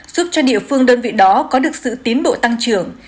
giúp cho địa phương đơn vị đó có được sự tiến bộ tăng trưởng